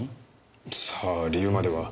さあ理由までは。